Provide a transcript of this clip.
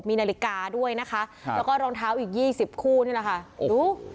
มีนาฬิกาด้วยนะคะครับแล้วก็รองเท้าอีกยี่สิบคู่นี่แหละค่ะดู